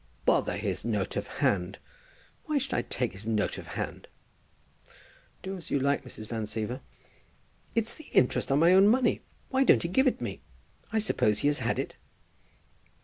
"Bother his note of hand. Why should I take his note of hand?" "Do as you like, Mrs. Van Siever." "It's the interest on my own money. Why don't he give it me? I suppose he has had it."